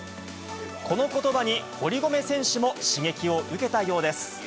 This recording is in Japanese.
このことばに堀米選手も刺激を受けたようです。